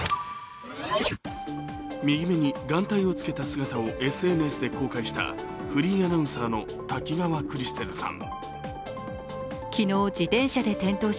右目に眼帯をつけた姿をＳＮＳで公開したフリーアナウンサーの滝川クリステルさん。